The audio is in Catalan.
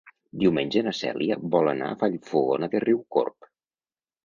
Diumenge na Cèlia vol anar a Vallfogona de Riucorb.